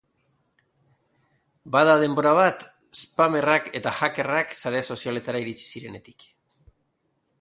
Bada denbora bat spammerrak eta hackerrak sare sozialetara iritsi zirenetik.